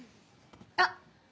あっ。